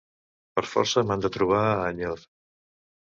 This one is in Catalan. Per força m'han de trobar a enyor.